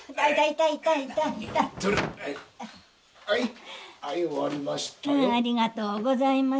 はい。